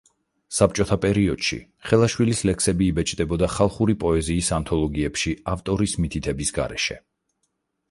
საბჭოთა პერიოდში ხელაშვილის ლექსები იბეჭდებოდა ხალხური პოეზიის ანთოლოგიებში ავტორის მითითების გარეშე.